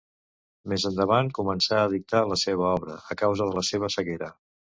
Més endavant començà a dictar la seva obra, a causa de la seva ceguera.